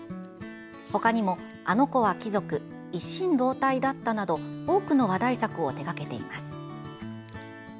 他にも「あのこは貴族」「一心同体だった」など多くの話題作を手掛けています。